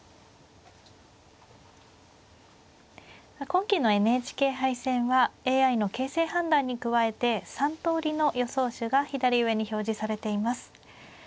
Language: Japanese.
今期のＮＨＫ杯戦はＡＩの形勢判断に加えて３通りの予想手が左上に表示されています。